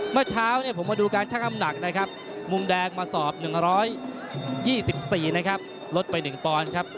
เมื่อเช้าเนี่ยผมมาดูการช่างอำหนักนะครับมุมแดงมาสอบ๑๒๔นะครับลดไป๑ปอนด์ครับ